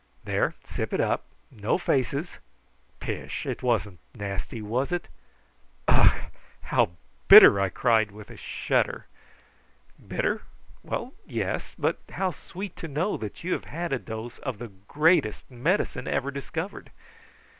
"There, sip it up. No faces. Pish! it wasn't nasty, was it?" "Ugh! how bitter!" I cried with a shudder. "Bitter? Well, yes; but how sweet to know that you have had a dose of the greatest medicine ever discovered.